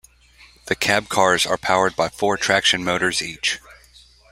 The cab cars are powered by four traction motors each.